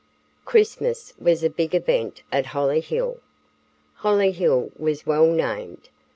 Christmas was a big event at Hollyhill. Hollyhill was well named.